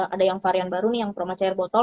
ada yang varian baru nih yang proma cair botol